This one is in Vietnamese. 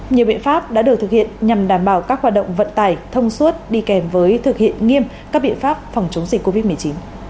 nhiều biện pháp đã được thực hiện nhằm đảm bảo các hoạt động vận tải thông suốt đi kèm với thực hiện nghiêm các biện pháp phòng chống dịch covid một mươi chín